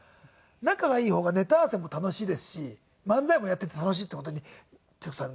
仲がいい方がネタ合わせも楽しいですし漫才もやっていて楽しいっていう事に徹子さん